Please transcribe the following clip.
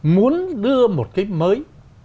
muốn đưa một cái mới